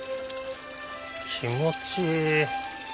気持ちいい。